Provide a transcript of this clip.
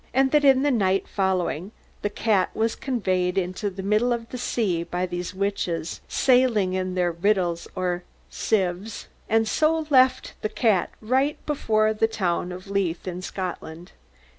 and that in the night following, the said cat was conveyed into the middest of the sea by all these witches sayling in their Riddles, or Cives, and so left the said cat right before the towne of Leith in Scotland.